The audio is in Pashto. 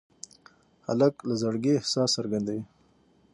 هلک له زړګي احساس څرګندوي.